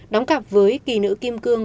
đóng cặp với kỳ nữ kim cương